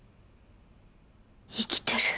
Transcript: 生きてる。